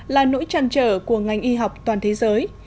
là nỗi tràn trở của ngành y học toàn thế giới